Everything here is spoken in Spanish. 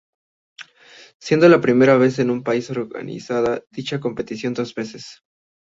Siendo la primera vez que un país organiza dicha competición dos veces.